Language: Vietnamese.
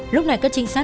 lúc này các trinh sát báo